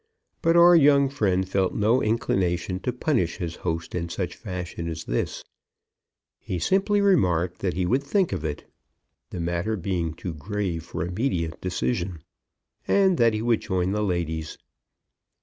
But our young friend felt no inclination to punish his host in such fashion as this. He simply remarked that he would think of it, the matter being too grave for immediate decision, and that he would join the ladies.